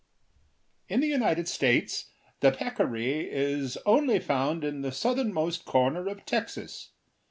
In the United States the peccary is only found in the southernmost corner of Texas.